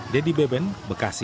dedy beben bekasi